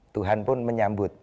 tuhan pun menyambut